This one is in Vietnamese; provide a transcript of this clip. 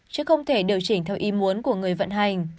chứ không thể điều chỉnh theo ý muốn của người vận hành